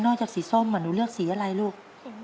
นอกจากสีส้มเหมือนหนูเลือกสีอะไรลูก